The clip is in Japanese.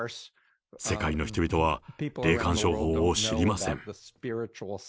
世界の人々は霊感商法を知りません。